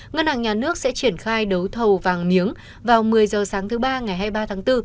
ngân hàng nhà nước sẽ triển khai đấu thầu vàng miếng vào một mươi h sáng thứ ba ngày hai mươi ba tháng bốn